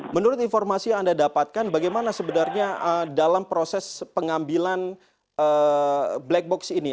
menurut informasi yang anda dapatkan bagaimana sebenarnya dalam proses pengambilan black box ini